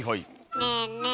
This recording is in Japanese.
ねえねえ